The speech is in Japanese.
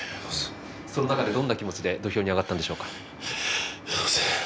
その中でどんな気持ちで土俵に上がりましたか？